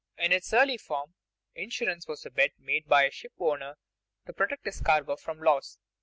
_ In its early form insurance was a bet made by a ship owner to protect his cargo from loss.